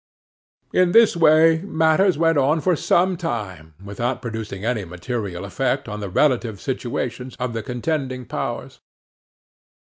In this way matters went on for some time, without producing any material effect on the relative situations of the contending powers.